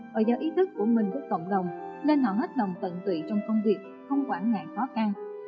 và do ý thức của mình với cộng đồng nên họ hết lòng tận tụy trong công việc không quản ngại khó khăn